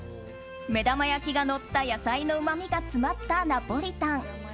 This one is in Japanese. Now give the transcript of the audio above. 目玉焼きがのった野菜のうまみが詰まったナポリタン。